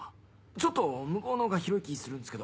ちょっと向こうの方が広い気するんですけど。